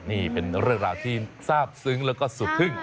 นี่เป็นเรื่องราวที่ทราบซึ้งแล้วก็สุดทึ่ง